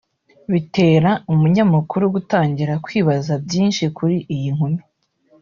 bitera umunyamakuru gutangira kwibaza byinshi kuri iyi nkumi